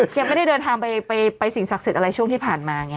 ยังไม่ได้เดินทางไปสิ่งศักดิ์สิทธิ์อะไรช่วงที่ผ่านมาไง